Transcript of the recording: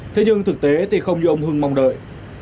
thế nhưng thực tế thì không như ông hưng mong đợi